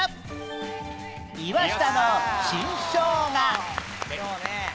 岩下の新生姜